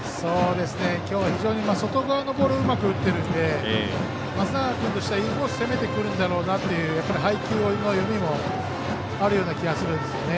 今日、外側のボールをうまく打っているので松永君としてはインコースを攻めてくるんだろうなという配球の読みもあるような気がするんですよね。